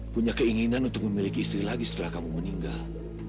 punya keinginan untuk memiliki istri lagi setelah kamu meninggal